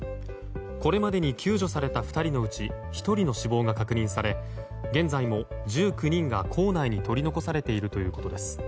これまでに救助された２人のうち１人の死亡が確認され現在も１９人が坑内に取り残されているということです。